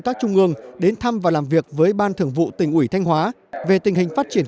các trung ương đến thăm và làm việc với ban thường vụ tỉnh ủy thanh hóa về tình hình phát triển